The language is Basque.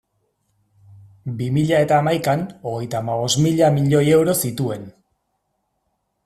Bi mila eta hamaikan, hogeita hamabost mila milioi euro zituen.